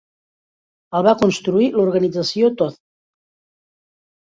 El va construir l'organització Todt.